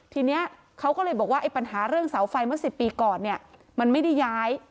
ทีนี้เขาก็เลยบอกว่าไอ้ปัญหาเรื่องเสาไฟเมื่อ๑๐ปีก่อนเนี่ยมันไม่ได้ย้าย